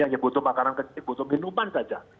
hanya butuh makanan kecil butuh minuman saja